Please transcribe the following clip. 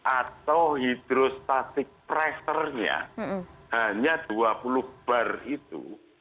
atau hidrostatik pressure nya hanya dua puluh bar itu